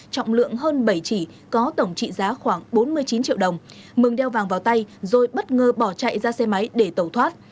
trọng lượng hơn bảy chỉ có tổng trị giá khoảng bốn mươi chín triệu đồng mừng đeo vàng vào tay rồi bất ngờ bỏ chạy ra xe máy để tẩu thoát